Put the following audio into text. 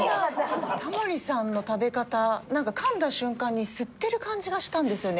タモリさんの食べ方なんか噛んだ瞬間に吸ってる感じがしたんですよね。